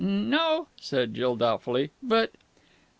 "N no," said Jill doubtfully. "But...."